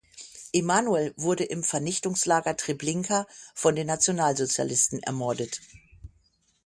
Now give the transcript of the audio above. Emanuel wurden im Vernichtungslager Treblinka von den Nationalsozialisten ermordet.